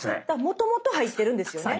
もともと入ってるんですよね？